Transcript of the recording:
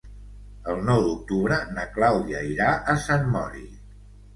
El nou d'octubre na Clàudia irà a Sant Mori.